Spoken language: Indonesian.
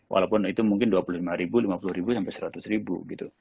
walaupun itu mungkin dua puluh lima ribu lima puluh ribu sampai seratus ribu gitu